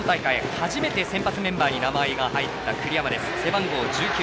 初めて先発メンバーに名前が入った栗山背番号１９。